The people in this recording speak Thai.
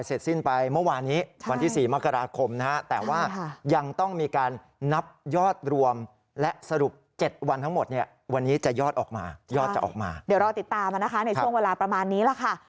เพราะว่า๗วันอันตรายเสร็จสิ้นไปเมื่อวานนี้